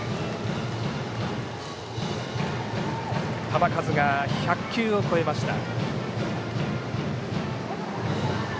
球数が１００球を超えました。